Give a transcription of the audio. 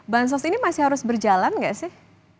bansos ini masih harus berjalan nggak sih